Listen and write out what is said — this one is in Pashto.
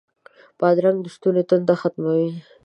بادرنګ د ستوني تنده ختموي.